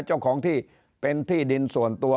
เจ้าของที่เป็นที่ดินส่วนตัว